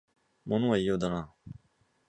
物は言いようだなあ